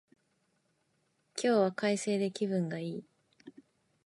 今日は快晴で気分がいい